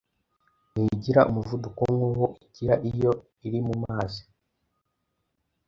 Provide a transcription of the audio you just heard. ntigira umuvuduko nk’uwo igira iyo iri mu mazi